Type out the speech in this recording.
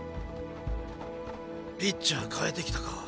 ピッチャー代えてきたか。